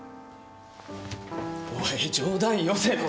おい冗談よせよ。